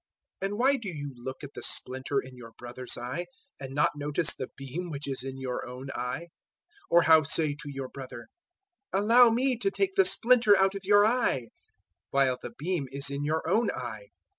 007:003 And why do you look at the splinter in your brother's eye, and not notice the beam which is in your own eye? 007:004 Or how say to your brother, `Allow me to take the splinter out of your eye,' while the beam is in your own eye?